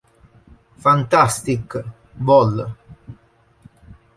Fantastic, Vol.